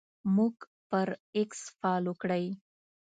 موږ پر اکس فالو کړئ